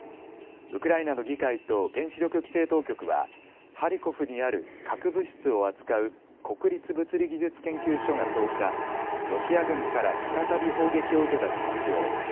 ウクライナの議会と原子力規制当局はハリコフにある核物質を扱う国立物理技術研究所が１０日、ロシア軍から再び砲撃を受けたと発表。